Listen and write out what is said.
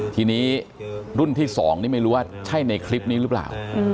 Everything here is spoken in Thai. ทีนี้รุ่นที่๒นี่ไม่รู้ว่าใช่ในคลิปนี้หรือเปล่า